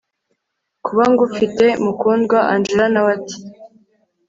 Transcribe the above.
kuba ngufite mukundwa angella nawe ati